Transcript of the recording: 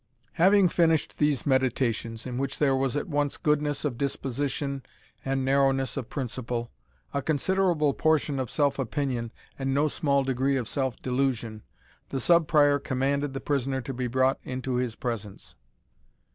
Having finished these meditations, in which there was at once goodness of disposition and narrowness of principle, a considerable portion of self opinion, and no small degree of self delusion, the Sub Prior commanded the prisoner to be brought into his presence.